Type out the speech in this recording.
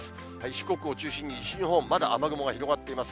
四国を中心に西日本、まだ雨雲が広がっています。